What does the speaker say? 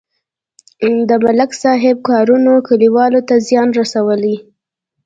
د ملک صاحب کارونو کلیوالو ته زیان رسولی.